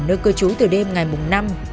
diễn đã bỏ đi khỏi nơi cơ chú từ đêm ngày mùng năm